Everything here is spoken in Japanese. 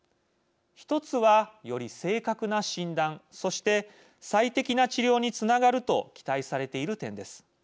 １つはより正確な診断そして最適な治療につながると期待されている点です。